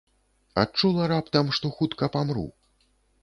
Адчула раптам, што хутка памру!